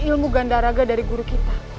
ilmu gandaraga dari guru kita